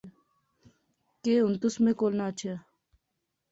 کہ ہن تس میں کول نہ اچھیا